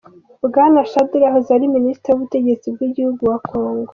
Bwana Shadary yahoze ari minisitiri w'ubutegetsi bw'igihugu wa Kongo.